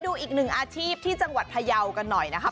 ดูอีกหนึ่งอาชีพที่จังหวัดพยาวกันหน่อยนะครับ